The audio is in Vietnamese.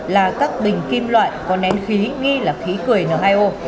là các bình kim loại có nén khí nghi là khí cười n hai o